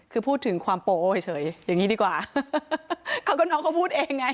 คือพูดถึงความโปโอ้เฉยอย่างนี้ดีกว่าเขาก็น้องเขาพูดเองไง